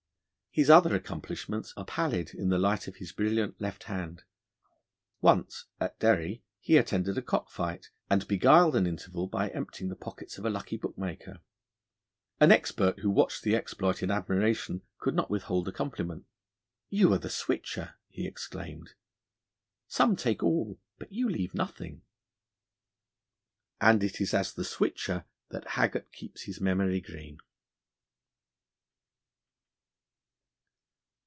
His other accomplishments are pallid in the light of his brilliant left hand. Once, at Derry he attended a cock fight, and beguiled an interval by emptying the pockets of a lucky bookmaker. An expert, who watched the exploit in admiration, could not withhold a compliment. 'You are the Switcher,' he exclaimed; 'some take all, but you leave nothing.' And it is as the Switcher that Haggart keeps his memory green.